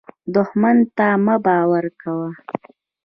دښمن ته مه باور کوه